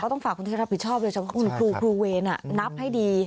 ต้องฝากคุณที่รับผิดชอบด้วยคุณผู้เวนนับให้ดี